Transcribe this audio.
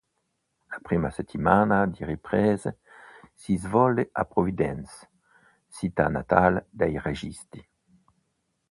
La prima settimana di riprese si svolse a Providence, città natale dei registi.